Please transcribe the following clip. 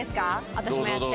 私もやって。